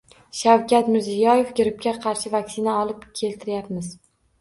Shavkat Mirziyoyev: Grippga qarshi vaksina olib keltiryapmiz